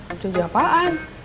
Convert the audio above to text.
acil jalan jalan apaan